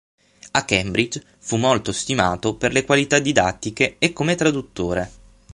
A Cambridge fu molto stimato per le qualità didattiche e come traduttore.